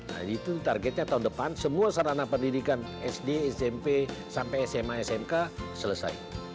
nah itu targetnya tahun depan semua sarana pendidikan sd smp sampai sma smk selesai